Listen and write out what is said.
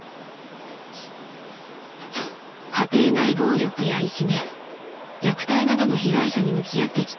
［家庭内暴力やいじめ虐待などの被害者に向き合ってきた］